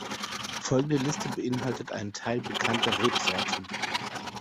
Folgende Liste beinhaltet einen Teil bekannter Rebsorten.